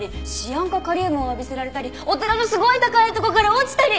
シアン化カリウムを浴びせられたりお寺のすごい高い所から落ちたり！